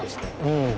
うん。